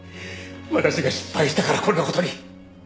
私が失敗したからこんな事に。